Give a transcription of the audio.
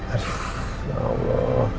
aduh ya allah